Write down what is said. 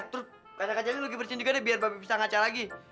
terus kaca kacanya lo kipersihin juga deh biar babi bisa ngaca lagi